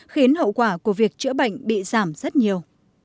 khiến hậu quả của việc chữa bệnh bị giảm rất nhiều